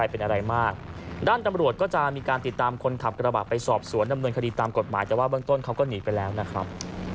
เพราะฉะนั้นคดีตามกฎหมายจะว่าเบื้องต้นเขาก็หนีไปแล้วนะครับ